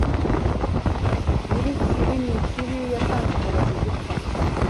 nyirikirimi kibi yatanze umurozi gupfa